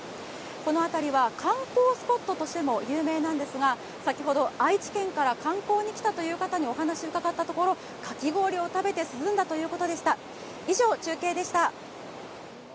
この辺りは観光スポットとしても有名なんですが、先ほど愛知県から観光に来たという方にお話を伺ったところかき氷を食べて涼んだということでした。